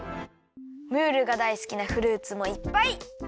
ムールがだいすきなフルーツもいっぱい！